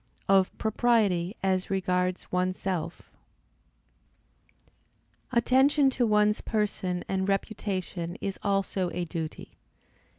Of propriety as regards one's self. Attention to one's person and reputation is also a duty.